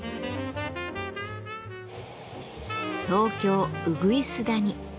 東京・鶯谷。